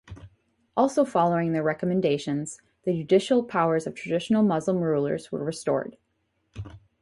Also following their recommendations, the judicial powers of traditional Muslim rulers were restored.